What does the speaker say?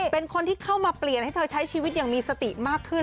เป็นคนที่เข้ามาเปลี่ยนให้เธอใช้ชีวิตอย่างมีสติมากขึ้น